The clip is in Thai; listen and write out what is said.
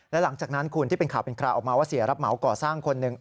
และหลังจากนั้นคุณที่เป็นข่าวเป็นคราวออกมาว่าเสียรับเหมาก่อสร้างคนหนึ่ง